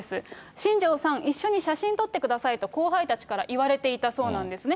新庄さん、一緒に写真撮ってくださいと後輩たちから言われていたそうなんですね。